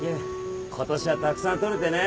今年はたくさん取れてね。